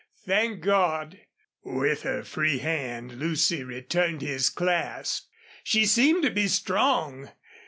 Thank God!" With her free hand Lucy returned his clasp. She seemed to be strong.